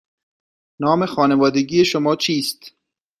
نام خانوادگی شما چیست؟